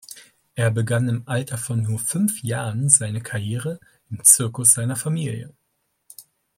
Er begann im Alter von nur fünf Jahren seine Karriere im Zirkus seiner Familie.